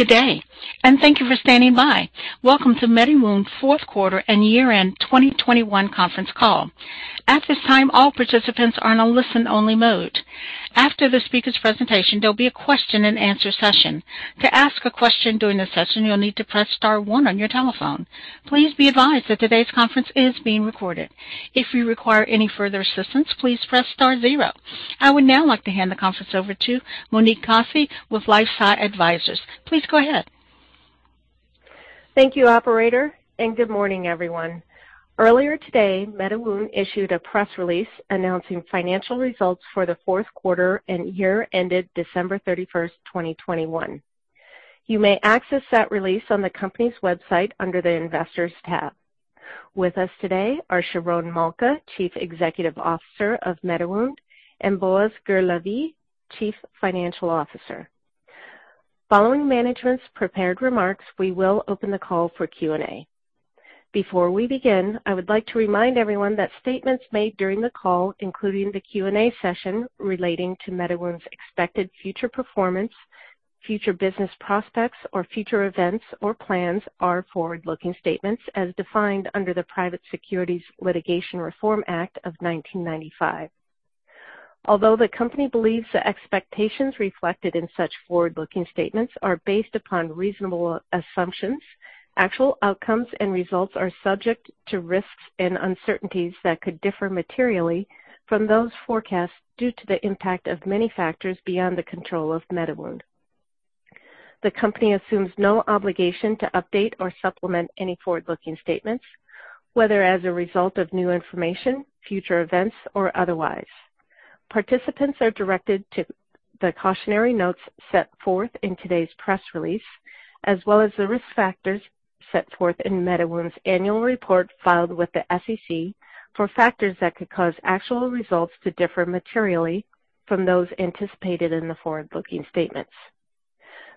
Good day, and thank you for standing by. Welcome to MediWound fourth quarter and year-end 2021 conference call. At this time, all participants are in a listen-only mode. After the speaker's presentation, there'll be a question and answer session. To ask a question during the session, you'll need to press star one on your telephone. Please be advised that today's conference is being recorded. If you require any further assistance, please press star zero. I would now like to hand the conference over to Monique Kosse with LifeSci Advisors. Please go ahead. Thank you, operator, and good morning, everyone. Earlier today, MediWound issued a press release announcing financial results for the fourth quarter and year ended December 31, 2021. You may access that release on the company's website under the Investors tab. With us today are Sharon Malka, Chief Executive Officer of MediWound, and Boaz Gur-Lavie, Chief Financial Officer. Following management's prepared remarks, we will open the call for Q&A. Before we begin, I would like to remind everyone that statements made during the call, including the Q&A session relating to MediWound's expected future performance, future business prospects or future events or plans are forward-looking statements as defined under the Private Securities Litigation Reform Act of 1995. Although the company believes the expectations reflected in such forward-looking statements are based upon reasonable assumptions, actual outcomes and results are subject to risks and uncertainties that could differ materially from those forecasts due to the impact of many factors beyond the control of MediWound. The company assumes no obligation to update or supplement any forward-looking statements, whether as a result of new information, future events or otherwise. Participants are directed to the cautionary notes set forth in today's press release, as well as the risk factors set forth in MediWound's annual report filed with the SEC for factors that could cause actual results to differ materially from those anticipated in the forward-looking statements.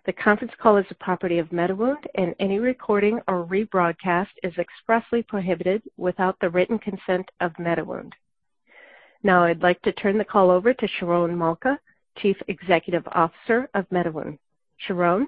The conference call is a property of MediWound and any recording or rebroadcast is expressly prohibited without the written consent of MediWound. Now I'd like to turn the call over to Sharon Malka, Chief Executive Officer of MediWound. Sharon? Sharon?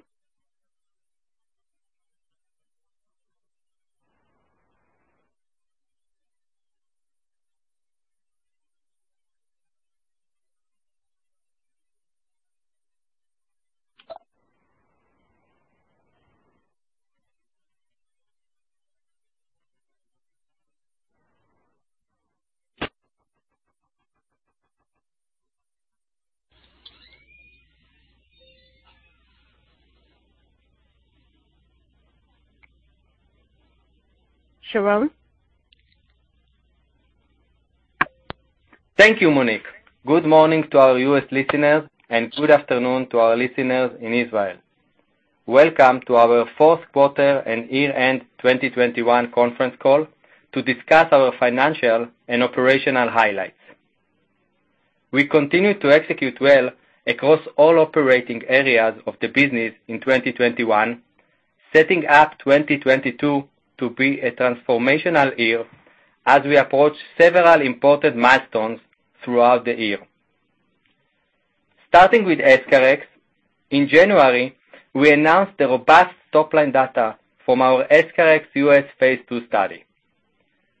Thank you, Monique. Good morning to our U.S. listeners and good afternoon to our listeners in Israel. Welcome to our fourth quarter and year-end 2021 conference call to discuss our financial and operational highlights. We continued to execute well across all operating areas of the business in 2021, setting up 2022 to be a transformational year as we approach several important milestones throughout the year. Starting with EscharEx, in January, we announced the robust top-line data from our EscharEx U.S. phase II study.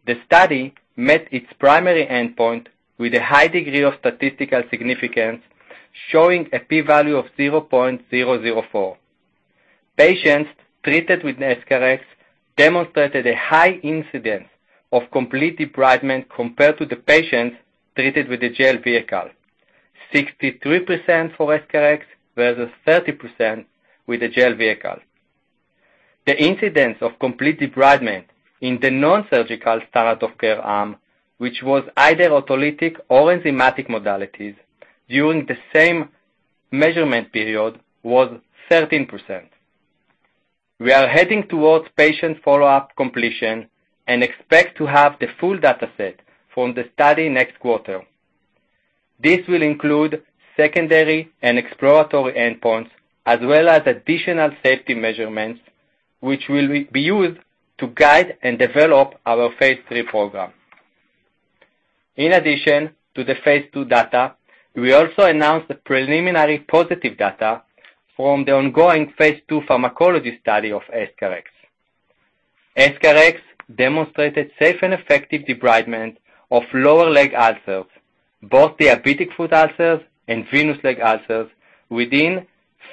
The study met its primary endpoint with a high degree of statistical significance, showing a P value of 0.004. Patients treated with EscharEx demonstrated a high incidence of complete debridement compared to the patients treated with the gel vehicle. 63% for EscharEx versus 30% with the gel vehicle. The incidence of complete debridement in the non-surgical start of care arm, which was either autolytic or enzymatic modalities during the same measurement period, was 13%. We are heading towards patient follow-up completion and expect to have the full data set from the study next quarter. This will include secondary and exploratory endpoints as well as additional safety measurements which will be used to guide and develop our phase III program. In addition to the phase II data, we also announced the preliminary positive data from the ongoing phase II pharmacology study of EscharEx. EscharEx demonstrated safe and effective debridement of lower leg ulcers, both diabetic foot ulcers and venous leg ulcers, within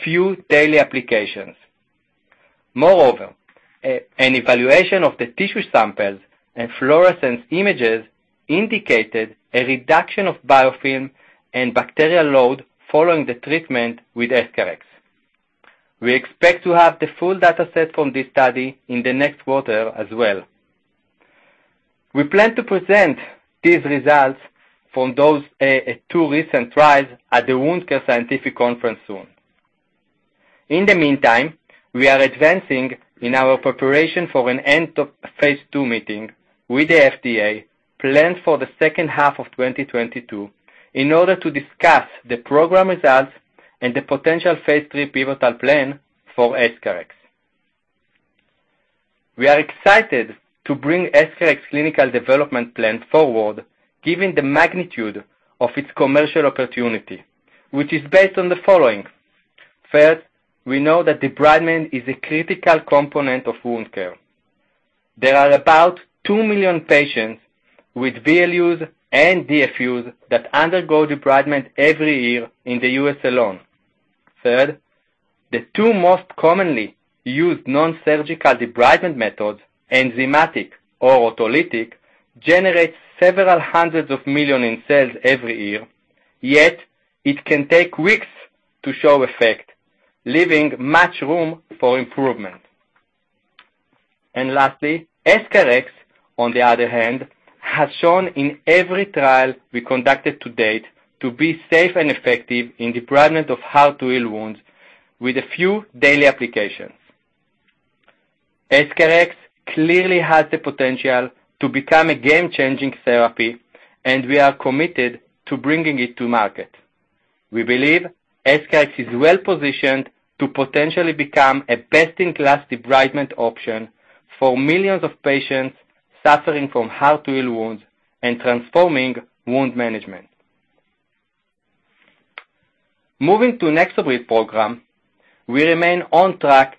few daily applications. Moreover, an evaluation of the tissue samples and fluorescence images indicated a reduction of biofilm and bacterial load following the treatment with EscharEx. We expect to have the full data set from this study in the next quarter as well. We plan to present these results from those two recent trials at the Wound Care Scientific Conference soon. In the meantime, we are advancing in our preparation for an end of phase II meeting with the FDA, planned for the second half of 2022, in order to discuss the program results and the potential phase III pivotal plan for EscharEx. We are excited to bring EscharEx clinical development plan forward, given the magnitude of its commercial opportunity, which is based on the following. First, we know that debridement is a critical component of wound care. There are about 2 million patients with VLUs and DFUs that undergo debridement every year in the U.S. alone. Third, the two most commonly used non-surgical debridement methods, enzymatic or autolytic, generates $several hundred million in sales every year. Yet it can take weeks to show effect, leaving much room for improvement. Lastly, EscharEx, on the other hand, has shown in every trial we conducted to date to be safe and effective in debridement of hard to heal wounds with a few daily applications. EscharEx clearly has the potential to become a game-changing therapy, and we are committed to bringing it to market. We believe EscharEx is well-positioned to potentially become a best-in-class debridement option for millions of patients suffering from hard to heal wounds and transforming wound management. Moving to NexoBrid program, we remain on track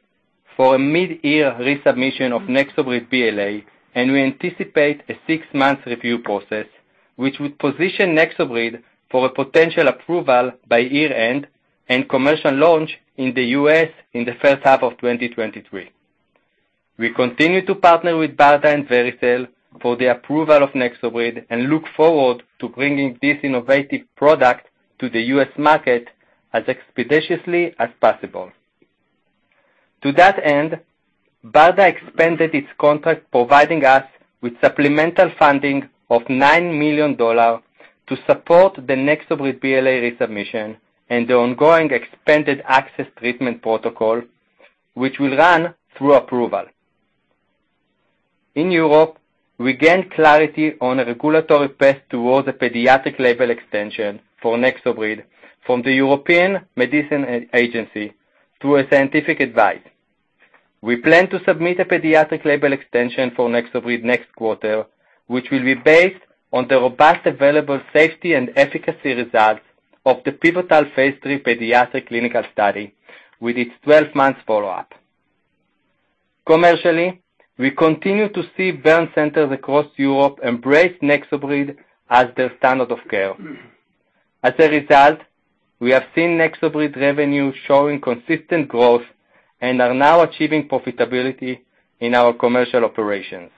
for a mid-year resubmission of NexoBrid BLA, and we anticipate a six-month review process, which would position NexoBrid for a potential approval by year-end and commercial launch in the U.S. in the first half of 2023. We continue to partner with BARDA and Vericel for the approval of NexoBrid and look forward to bringing this innovative product to the U.S. market as expeditiously as possible. To that end, BARDA expanded its contract, providing us with supplemental funding of $9 million to support the NexoBrid BLA resubmission and the ongoing expanded access treatment protocol, which will run through approval. In Europe, we gain clarity on a regulatory path towards a pediatric label extension for NexoBrid from the European Medicines Agency through a scientific advice. We plan to submit a pediatric label extension for NexoBrid next quarter, which will be based on the robust available safety and efficacy results of the pivotal phase III pediatric clinical study with its 12 months follow-up. Commercially, we continue to see burn centers across Europe embrace NexoBrid as their standard of care. As a result, we have seen NexoBrid revenue showing consistent growth and are now achieving profitability in our commercial operations.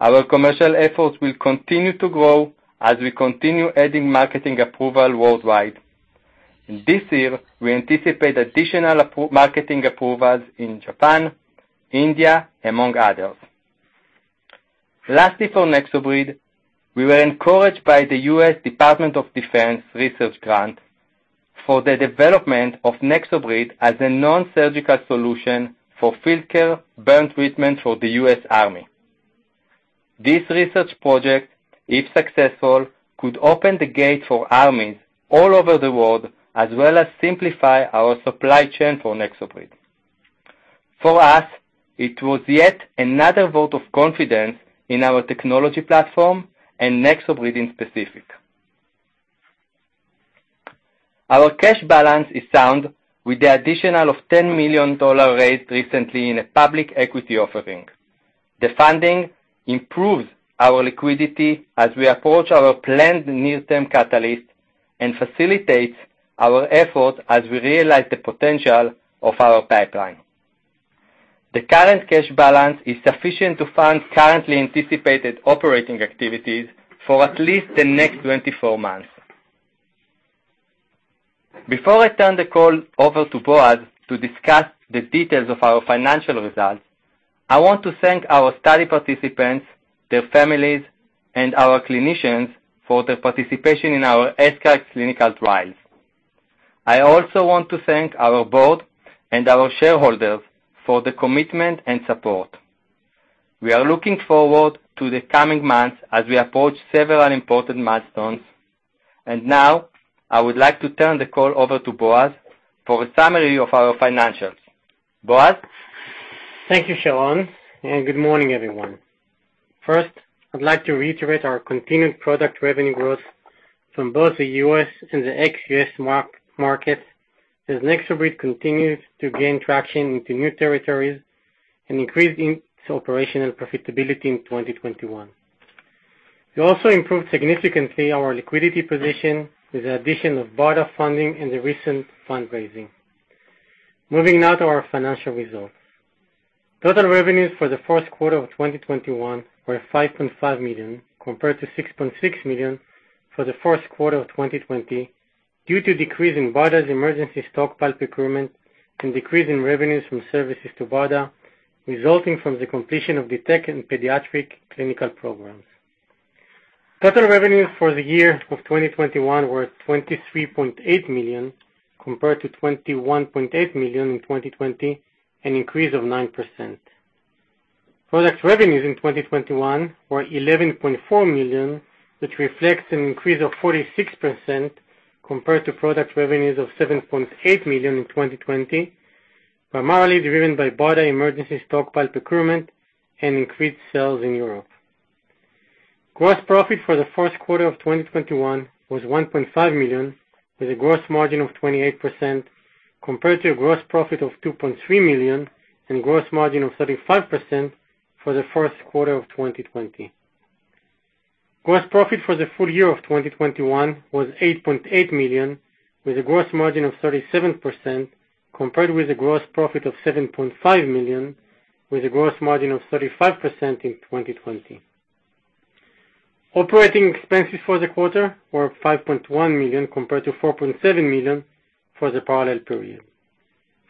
Our commercial efforts will continue to grow as we continue adding marketing approval worldwide. This year, we anticipate additional marketing approvals in Japan, India, among others. Lastly, for NexoBrid, we were encouraged by the U.S. Department of Defense research grant for the development of NexoBrid as a non-surgical solution for field care burn treatment for the U.S. Army. This research project, if successful, could open the gate for armies all over the world, as well as simplify our supply chain for NexoBrid. For us, it was yet another vote of confidence in our technology platform and NexoBrid specifically. Our cash balance is sound with the addition of $10 million raised recently in a public equity offering. The funding improves our liquidity as we approach our planned near-term catalyst and facilitates our effort as we realize the potential of our pipeline. The current cash balance is sufficient to fund currently anticipated operating activities for at least the next 24 months. Before I turn the call over to Boaz to discuss the details of our financial results, I want to thank our study participants, their families, and our clinicians for their participation in our EscharEx clinical trials. I also want to thank our board and our shareholders for the commitment and support. We are looking forward to the coming months as we approach several important milestones. Now, I would like to turn the call over to Boaz for a summary of our financials. Boaz? Thank you, Sharon, and good morning, everyone. First, I'd like to reiterate our continued product revenue growth from both the U.S. and the ex-U.S. market as NexoBrid continues to gain traction into new territories and increase in its operational profitability in 2021. We also improved significantly our liquidity position with the addition of BARDA funding and the recent fundraising. Moving now to our financial results. Total revenues for the first quarter of 2021 were $5.5 million, compared to $6.6 million for the first quarter of 2020, due to decrease in BARDA's emergency stockpile procurement and decrease in revenues from services to BARDA, resulting from the completion of DETECT and pediatric clinical programs. Total revenues for the year of 2021 were $23.8 million, compared to $21.8 million in 2020, an increase of 9%. Product revenues in 2021 were $11.4 million, which reflects an increase of 46%. Compared to product revenues of $7.8 million in 2020, primarily driven by BARDA emergency stockpile procurement and increased sales in Europe. Gross profit for the first quarter of 2021 was $1.5 million, with a gross margin of 28% compared to a gross profit of $2.3 million and gross margin of 35% for the first quarter of 2020. Gross profit for the full year of 2021 was $8.8 million, with a gross margin of 37% compared with a gross profit of $7.5 million with a gross margin of 35% in 2020. Operating expenses for the quarter were $5.1 million compared to $4.7 million for the parallel period.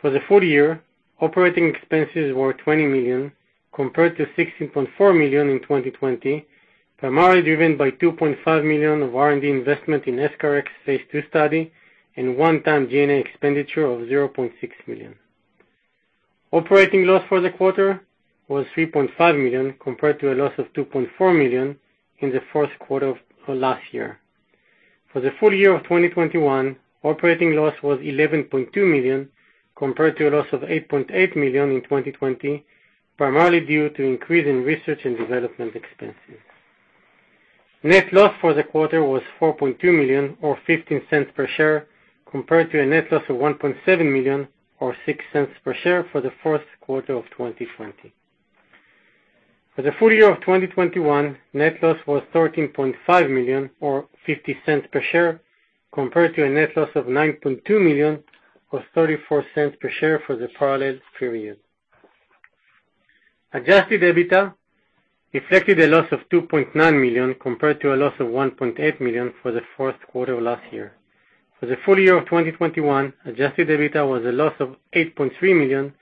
For the full year, operating expenses were $20 million compared to $16.4 million in 2020, primarily driven by $2.5 million of R&D investment in EscharEx phase II study and one-time G&A expenditure of $0.6 million. Operating loss for the quarter was $3.5 million compared to a loss of $2.4 million in the first quarter of last year. For the full year of 2021, operating loss was $11.2 million compared to a loss of $8.8 million in 2020, primarily due to increase in research and development expenses. Net loss for the quarter was $4.2 million or $0.15 per share compared to a net loss of $1.7 million or $0.06 per share for the first quarter of 2020. For the full year of 2021, net loss was $13.5 million or $0.50 per share compared to a net loss of $9.2 million or $0.34 per share for the parallel period. Adjusted EBITDA reflected a loss of $2.9 million compared to a loss of $1.8 million for the fourth quarter of last year. For the full year of 2021, adjusted EBITDA was a loss of $8.3 million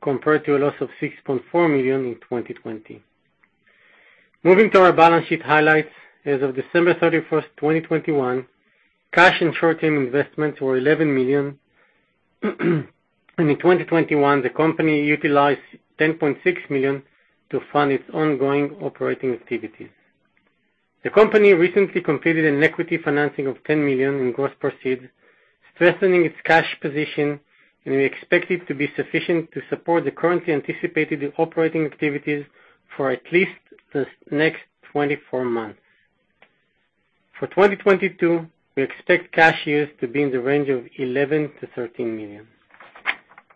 compared to a loss of $6.4 million in 2020. Moving to our balance sheet highlights. As of December 31, 2021, cash and short-term investments were $11 million. In 2021, the company utilized $10.6 million to fund its ongoing operating activities. The company recently completed an equity financing of $10 million in gross proceeds, strengthening its cash position, and we expect it to be sufficient to support the currently anticipated operating activities for at least the next 24 months. For 2022, we expect cash use to be in the range of $11 million-$13 million.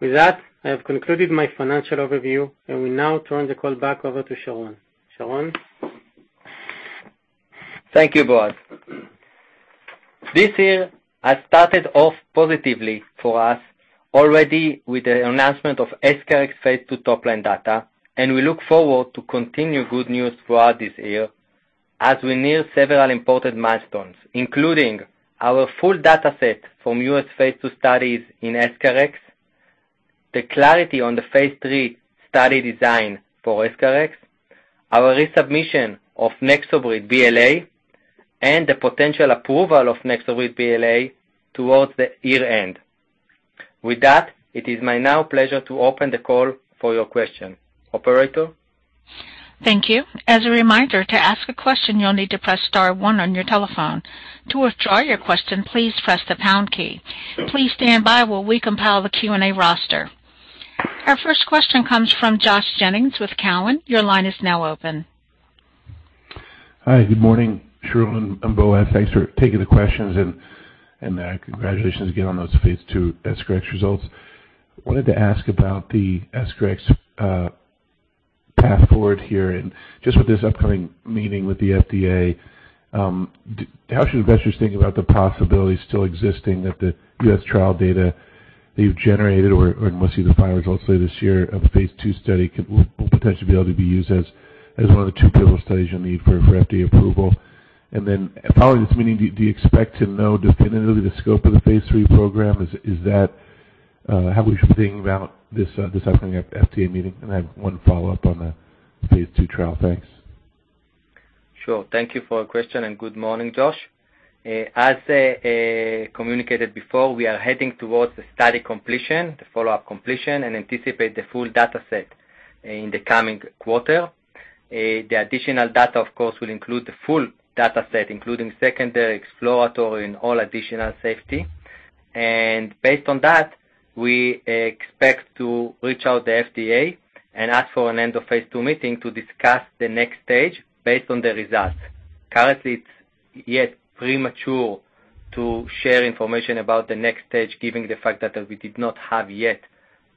With that, I have concluded my financial overview, and we now turn the call back over to Sharon. Sharon? Thank you, Boaz. This year has started off positively for us already with the announcement of EscharEx phase II top-line data, and we look forward to continued good news throughout this year as we near several important milestones, including our full data set from U.S. phase II studies in EscharEx, the clarity on the phase III study design for EscharEx, our resubmission of NexoBrid BLA, and the potential approval of NexoBrid BLA towards the year-end. With that, it is now my pleasure to open the call for your questions. Operator? Thank you. As a reminder, to ask a question, you'll need to press star one on your telephone. To withdraw your question, please press the pound key. Please stand by while we compile the Q&A roster. Our first question comes from Josh Jennings with Cowen. Your line is now open. Hi, good morning, Sharon and Boaz. Thanks for taking the questions, and congratulations again on those phase II EscharEx results. Wanted to ask about the EscharEx path forward here and just with this upcoming meeting with the FDA, how should investors think about the possibility still existing that the U.S. trial data that you've generated or we'll see the final results later this year of a phase II study will potentially be able to be used as one of the two pivotal studies you'll need for FDA approval? Then following this meeting, do you expect to know definitively the scope of the phase III program? Is that how we should think about this upcoming FDA meeting? I have one follow-up on the phase II trial. Thanks. Sure. Thank you for your question and good morning, Josh. As communicated before, we are heading towards the study completion, the follow-up completion, and anticipate the full data set in the coming quarter. The additional data, of course, will include the full data set, including secondary, exploratory and all additional safety. Based on that, we expect to reach out to the FDA and ask for an end-of-phase II meeting to discuss the next stage based on the results. Currently, it's yet premature to share information about the next stage, given the fact that we did not have yet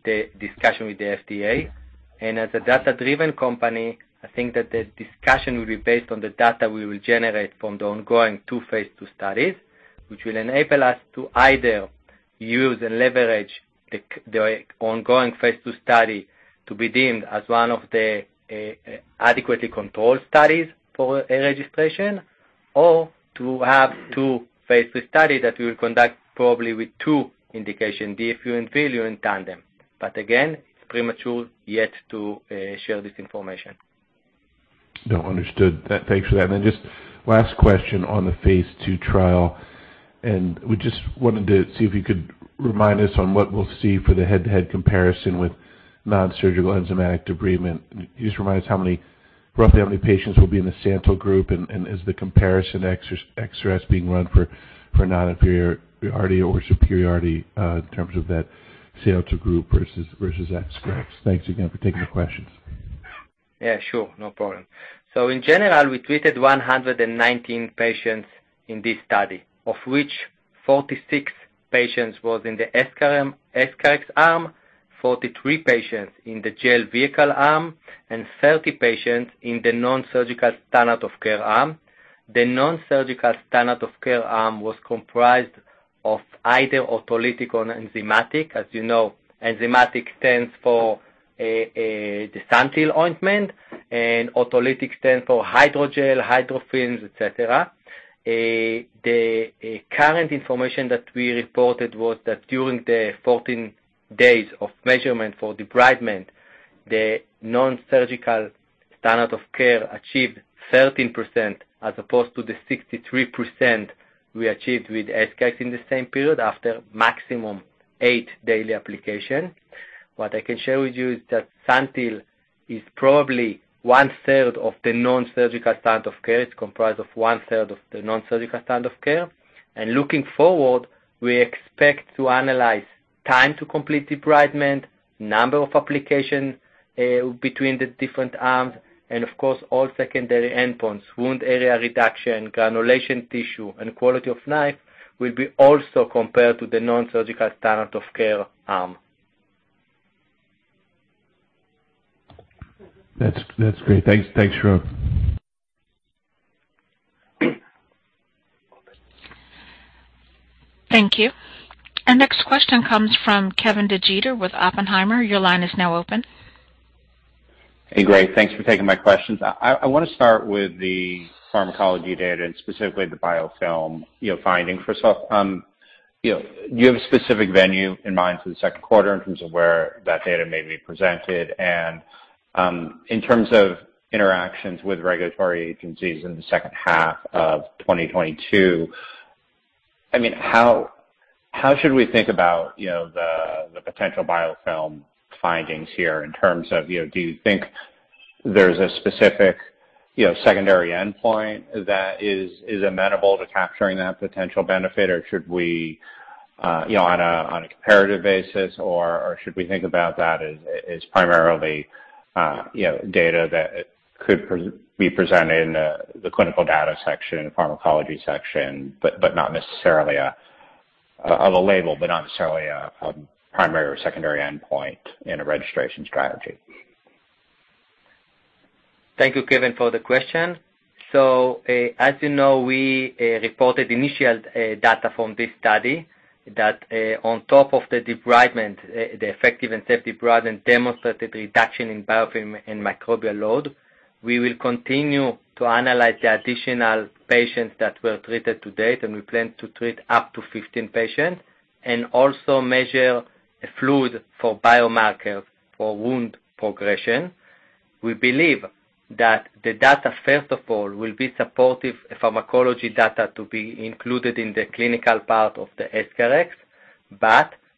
the discussion with the FDA. As a data-driven company, I think that the discussion will be based on the data we will generate from the ongoing two phase II studies, which will enable us to either use and leverage the ongoing phase II study to be deemed as one of the adequately controlled studies for a registration or to have two phase III study that we will conduct probably with two indication, DFU and VLU, in tandem. Again, it's premature yet to share this information. No, understood. Thanks for that. Just last question on the phase II trial, we just wanted to see if you could remind us on what we'll see for the head-to-head comparison with non-surgical enzymatic debridement. Can you just remind us roughly how many patients will be in the sample group? Is the comparison EscharEx being run for non-inferiority or superiority in terms of that EscharEx versus that SANTYL? Thanks again for taking the questions. Yeah, sure. No problem. In general, we treated 119 patients in this study, of which 46 patients was in the EscharEx arm, 43 patients in the gel vehicle arm, and 30 patients in the non-surgical standard of care arm. The non-surgical standard of care arm was comprised of either autolytic or enzymatic. As you know, enzymatic stands for a collagenase ointment, and autolytic stands for hydrogel, hydrofilms, etcetera. The current information that we reported was that during the 14 days of measurement for debridement, the nonsurgical standard of care achieved 13% as opposed to the 63% we achieved with EscharEx in the same period after maximum 8 daily application. What I can share with you is that SANTYL is probably one-third of the non-surgical standard of care. It's comprised of one-third of the non-surgical standard of care. Looking forward, we expect to analyze time to complete debridement, number of application, between the different arms and of course, all secondary endpoints, wound area reduction, granulation tissue, and quality of life will be also compared to the non-surgical standard of care arm. That's great. Thanks. Thanks, Sharon. Thank you. Our next question comes from Kevin DeGeeter with Oppenheimer. Your line is now open. Hey, great. Thanks for taking my questions. I wanna start with the pharmacology data and specifically the biofilm, you know, finding. First off, you know, do you have a specific venue in mind for the second quarter in terms of where that data may be presented? In terms of interactions with regulatory agencies in the second half of 2022, I mean, how should we think about, you know, the potential biofilm findings here in terms of, you know, do you think there's a specific, you know, secondary endpoint that is amenable to capturing that potential benefit? Should we, you know, on a comparative basis, or should we think about that as primarily, you know, data that we present in the clinical data section, pharmacology section, but not necessarily on the label, but not necessarily a primary or secondary endpoint in a registration strategy? Thank you, Kevin, for the question. As you know, we reported initial data from this study that, on top of the debridement, the efficacy and safety debridement demonstrated reduction in biofilm and microbial load. We will continue to analyze the additional patients that were treated to date, and we plan to treat up to 15 patients and also measure fluid for biomarkers for wound progression. We believe that the data, first of all, will be supportive pharmacology data to be included in the clinical part of the EscharEx.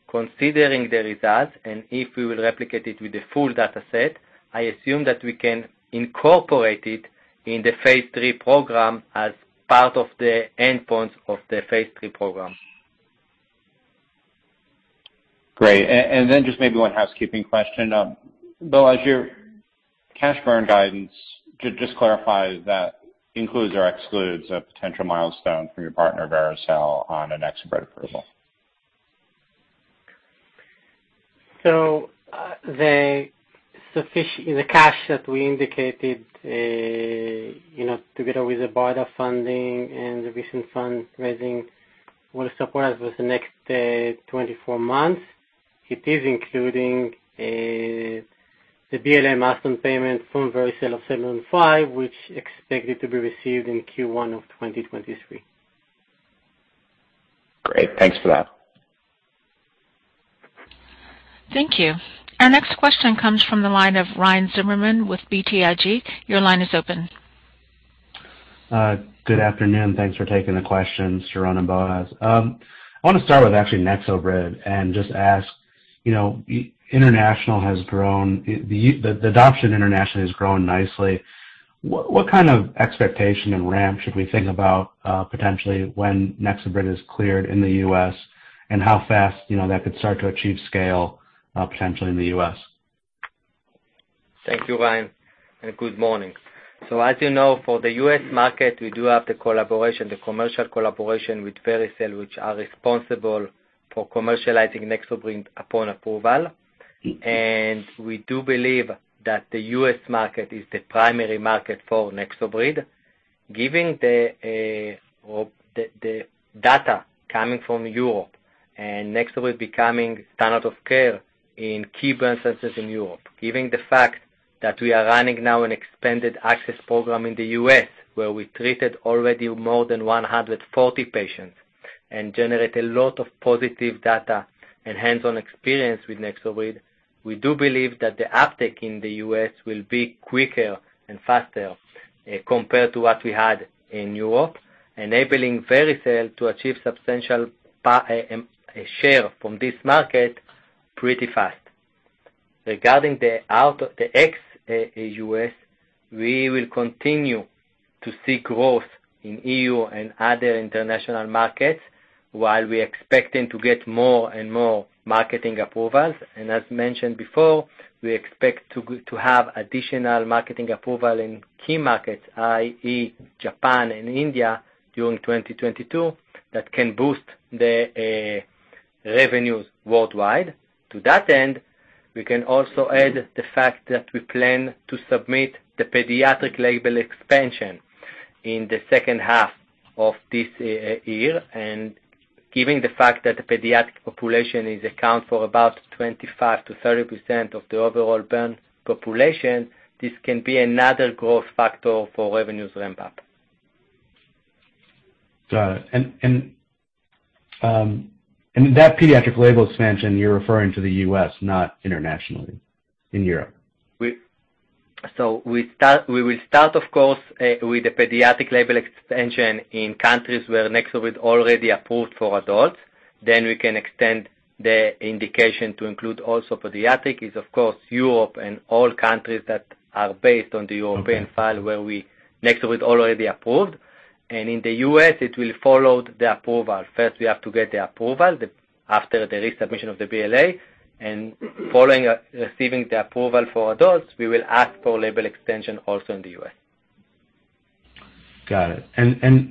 Considering the results and if we will replicate it with the full data set, I assume that we can incorporate it in the phase III program as part of the endpoints of the phase III program. Great. Just maybe one housekeeping question. Boaz, your cash burn guidance, just clarify that includes or excludes a potential milestone from your partner, Vericel, on a NexoBrid approval. The cash that we indicated, you know, together with the bond funding and the recent fundraising, will support us with the next 24 months. It is including the BLA milestone payment from Vericel of $7.5, which expected to be received in Q1 of 2023. Great. Thanks for that. Thank you. Our next question comes from the line of Ryan Zimmerman with BTIG. Your line is open. Good afternoon. Thanks for taking the questions, Sharon and Boaz. I wanna start with actually NexoBrid and just ask, you know, international has grown. The adoption internationally has grown nicely. What kind of expectation and ramp should we think about, potentially when NexoBrid is cleared in the U.S., and how fast, you know, that could start to achieve scale, potentially in the U.S.? Thank you, Ryan, and good morning. As you know, for the U.S. market, we do have the collaboration, the commercial collaboration with Vericel, which are responsible for commercializing NexoBrid upon approval. We do believe that the U.S. market is the primary market for NexoBrid. Given the data coming from Europe and NexoBrid becoming standard of care in key burn centers in Europe. Given the fact that we are running now an expanded access program in the U.S., where we treated already more than 140 patients and generate a lot of positive data and hands-on experience with NexoBrid, we do believe that the uptake in the U.S. will be quicker and faster, compared to what we had in Europe, enabling Vericel to achieve substantial share from this market pretty fast. Regarding the ex-U.S., we will continue to see growth in EU and other international markets while we're expecting to get more and more marketing approvals. As mentioned before, we expect to have additional marketing approval in key markets, i.e., Japan and India, during 2022 that can boost the revenues worldwide. To that end, we can also add the fact that we plan to submit the pediatric label expansion in the second half of this year. Given the fact that the pediatric population accounts for about 25%-30% of the overall burn population, this can be another growth factor for revenues ramp up. Got it. That pediatric label expansion, you're referring to the U.S., not internationally, in Europe? We will start, of course, with the pediatric label expansion in countries where Nexo is already approved for adults. Then we can extend the indication to include also pediatric, is of course Europe and all countries that are based on the- Okay. European file where Nexo is already approved. In the U.S., it will follow the approval. First, we have to get the approval after the resubmission of the BLA. Following receiving the approval for adults, we will ask for label extension also in the U.S. Got it.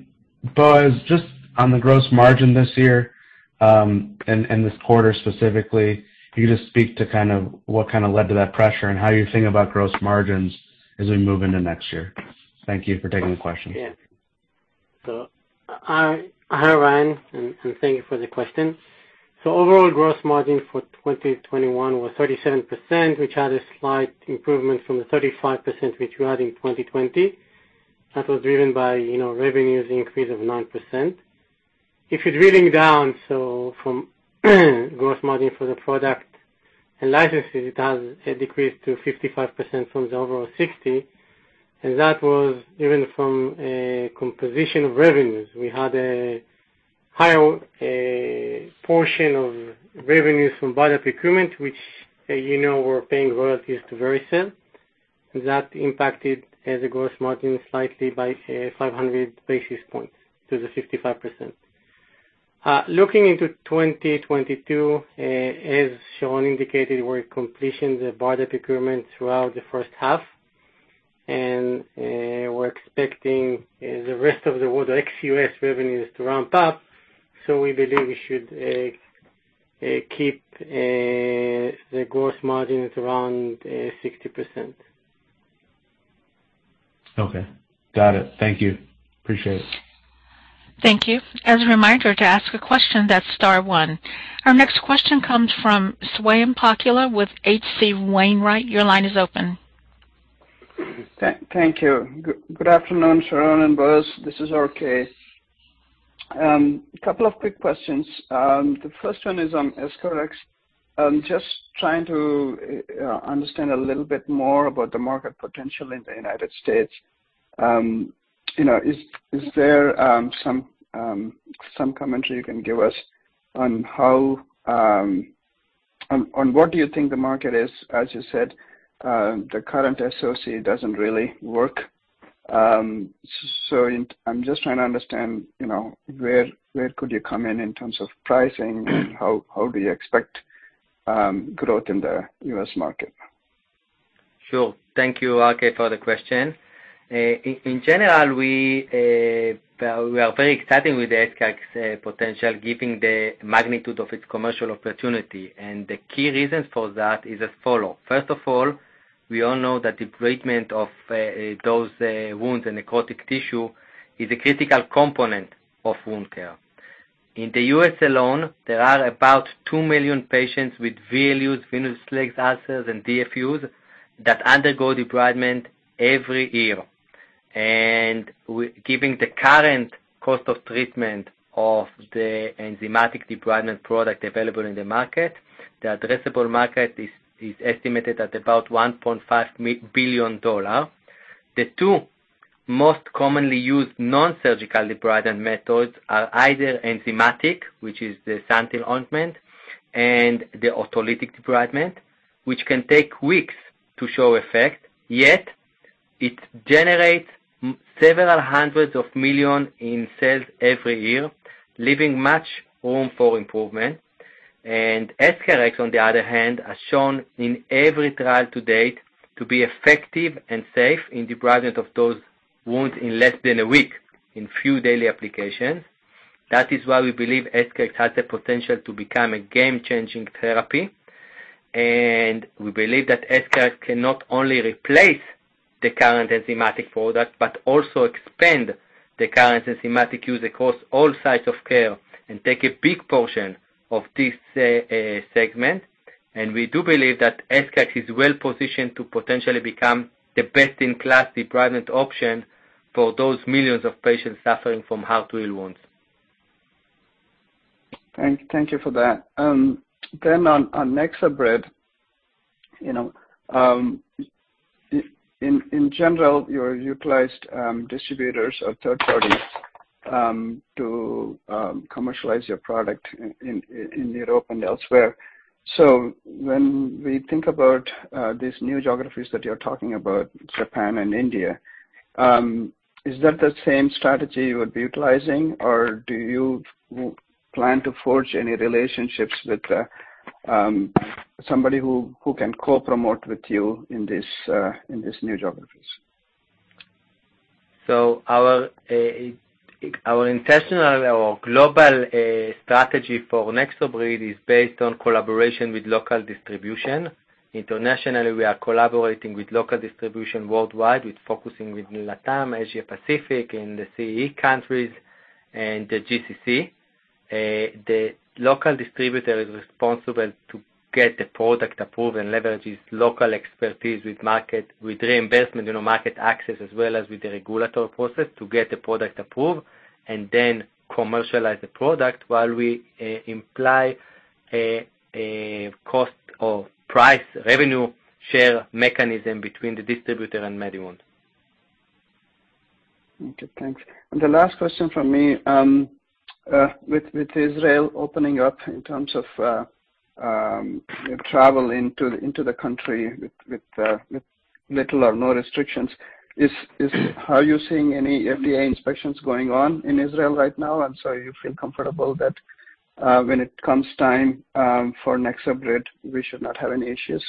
Boaz, just on the gross margin this year, and this quarter specifically, can you just speak to kind of what kinda led to that pressure and how you think about gross margins as we move into next year? Thank you for taking the question. Yeah. Hi, Ryan, and thank you for the question. Overall gross margin for 2021 was 37%, which had a slight improvement from the 35% which we had in 2020. That was driven by, you know, revenues increase of 9%. If you're drilling down, from gross margin for the product and licenses, it has a decrease to 55% from the overall 60, and that was driven from a composition of revenues. We had a higher portion of revenues from Biodev procurement, which, you know, we're paying royalties to Vericel. That impacted the gross margin slightly by 500 basis points to the 55%. Looking into 2022, as Sharon indicated, we're completing the Biodev procurement throughout the first half. We're expecting the rest of the world ex-U.S. revenues to ramp up, so we believe we should keep the gross margin at around 60%. Okay. Got it. Thank you. Appreciate it. Thank you. As a reminder, to ask a question, that's star one. Our next question comes from Swayam Pakula with H.C. Wainwright. Your line is open. Thank you. Good afternoon, Sharon and Boaz. This is RK. Couple of quick questions. The first one is on EscharEx. Just trying to understand a little bit more about the market potential in the United States. You know, is there some commentary you can give us on how, on what do you think the market is? As you said, the current SOC doesn't really work. I'm just trying to understand, you know, where could you come in terms of pricing? How do you expect growth in the U.S. market? Sure. Thank you, RK, for the question. In general, well, we are very excited with the EscharEx potential, given the magnitude of its commercial opportunity. The key reasons for that is as follow. First of all, we all know that debridement of those wounds and necrotic tissue is a critical component of wound care. In the U.S. alone, there are about 2 million patients with VLUs, venous leg ulcers, and DFUs that undergo debridement every year. Given the current cost of treatment of the enzymatic debridement product available in the market, the addressable market is estimated at about $1.5 billion. The two most commonly used non-surgical debridement methods are either enzymatic, which is the SANTYL ointment, and the autolytic debridement, which can take weeks to show effect. Yet it generates several hundred million in sales every year, leaving much room for improvement. EscharEx, on the other hand, has shown in every trial to date to be effective and safe in debridement of those wounds in less than a week in few daily applications. That is why we believe EscharEx has the potential to become a game-changing therapy. We believe that EscharEx can not only replace the current enzymatic product but also expand the current enzymatic use across all sites of care and take a big portion of this segment. We do believe that EscharEx is well-positioned to potentially become the best-in-class debridement option for those millions of patients suffering from hard-to-heal wounds. Thank you for that. Then on NexoBrid, you know, in general, you utilized distributors or third parties to commercialize your product in Europe and elsewhere. When we think about these new geographies that you're talking about, Japan and India, is that the same strategy you would be utilizing? Do you plan to forge any relationships with somebody who can co-promote with you in these new geographies? Our international or global strategy for NexoBrid is based on collaboration with local distribution. Internationally, we are collaborating with local distribution worldwide, focusing on LATAM, Asia Pacific, and the CIS countries, and the GCC. The local distributor is responsible to get the product approved and leverage its local expertise with market reinvestment, you know, market access, as well as with the regulatory process to get the product approved and then commercialize the product while we implement a cost or price revenue share mechanism between the distributor and MediWound. Okay, thanks. The last question from me, with Israel opening up in terms of, you know, travel into the country with little or no restrictions? Are you seeing any FDA inspections going on in Israel right now? You feel comfortable that, when it comes time, for NexoBrid, we should not have any issues?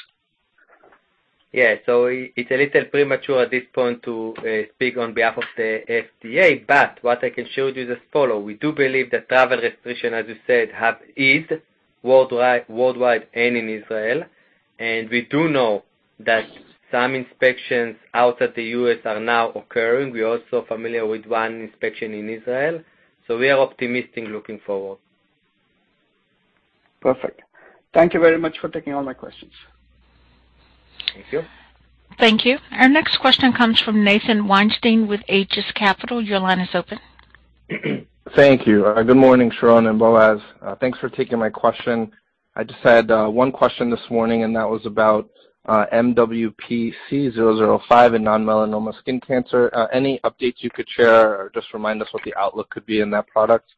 It's a little premature at this point to speak on behalf of the FDA, but what I can show you is as follows. We do believe that travel restrictions, as you said, have eased worldwide and in Israel. We do know that some inspections out of the U.S. are now occurring. We're also familiar with one inspection in Israel, so we are optimistic looking forward. Perfect. Thank you very much for taking all my questions. Thank you. Thank you. Our next question comes from Nathan Weinstein with Aegis Capital. Your line is open. Thank you. Good morning, Sharon and Boaz. Thanks for taking my question. I just had one question this morning, and that was about MW005 in non-melanoma skin cancer. Any updates you could share, or just remind us what the outlook could be in that product?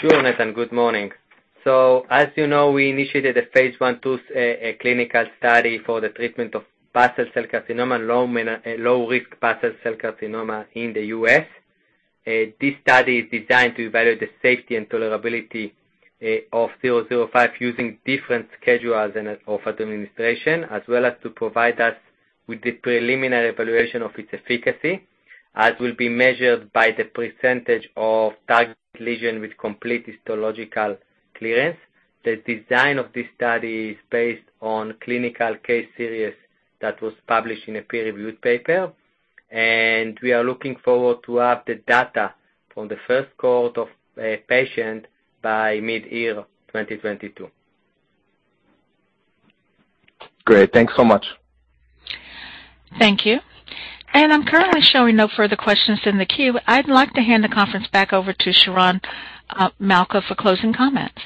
Sure, Nathan. Good morning. As you know, we initiated a phase I/II clinical study for the treatment of low-risk basal cell carcinoma in the U.S. This study is designed to evaluate the safety and tolerability of MW005 using different schedules and modes of administration, as well as to provide us with the preliminary evaluation of its efficacy, as will be measured by the percentage of target lesion with complete histological clearance. The design of this study is based on clinical case series that was published in a peer-reviewed paper, and we are looking forward to have the data from the first cohort of patient by mid-2022. Great. Thanks so much. Thank you. I'm currently showing no further questions in the queue. I'd like to hand the conference back over to Sharon Malka for closing comments.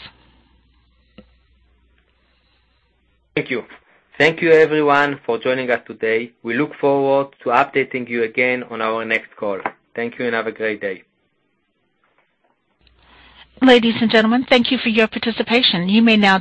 Thank you. Thank you everyone for joining us today. We look forward to updating you again on our next call. Thank you and have a great day. Ladies and gentlemen, thank you for your participation. You may now disconnect